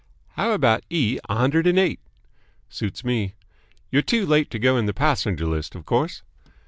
"How about E. a hundred and eight?" "Suits me." "You're too late to go in the passenger list, of course."